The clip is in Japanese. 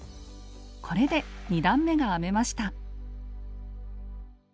これで２段めが編めました。